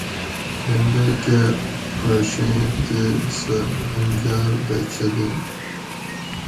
پینڈئی کہ پھڛیں تے سہ انگاۤر دہ چلیں